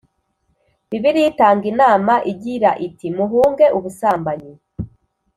Bibiliya itanga inama igira iti muhunge ubusambanyi